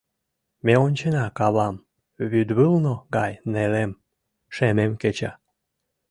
Ме ончена кавам: вӱдвулно гай нелем, шемем кеча.